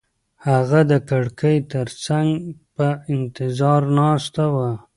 هغه د کړکۍ تر څنګ په انتظار ناسته وه.